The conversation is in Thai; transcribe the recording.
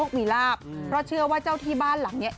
ปกติพี่ฮายเขาชอบผู้ติดปากถูกไหม